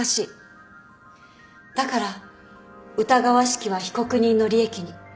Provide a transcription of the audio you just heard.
だから疑わしきは被告人の利益に。